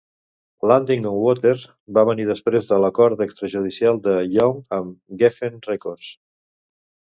"Landing on Water" va venir després de l'acord extrajudicial de Young amb Geffen Records.